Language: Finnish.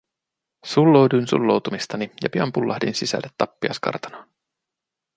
Sullouduin sulloutumistani ja pian pullahdin sisälle tappiaiskartanoon.